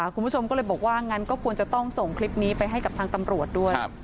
คุณผู้ชมก็เลยบอกว่างั้นก็ควรจะต้องส่งคลิปนี้ไปให้กับทางตำรวจด้วย